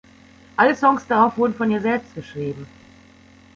Alle Songs darauf wurden von ihr selbst geschrieben.